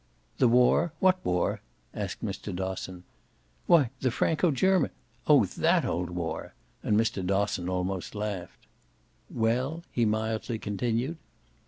"The war what war?" asked Mr. Dosson. "Why the Franco German " "Oh THAT old war!" And Mr. Dosson almost laughed. "Well?" he mildly continued.